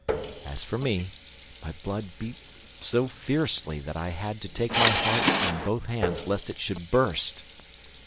As for me, my blood beat so fiercely that I had to take my heart in both hands, lest it should burst.